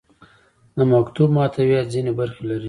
د مکتوب محتویات ځینې برخې لري.